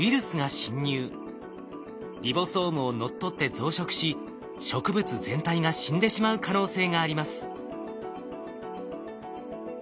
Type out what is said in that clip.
リボソームを乗っ取って増殖し植物全体が死んでしまう可能性があります。